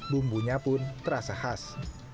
bumbunya pun terasa khas